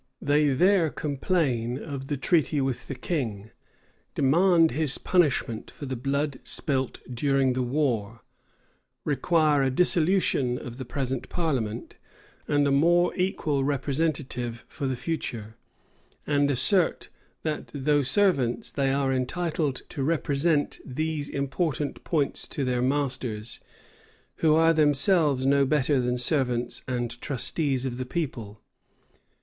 They there complain of the treaty with the king; demand his punishment for the blood spilt during the war; require a dissolution of the present parliament, and a more equal representative for the future; and assert that, though servants, they are entitled to represent these important points to their masters, who are themselves no better than servants and trustees of the people.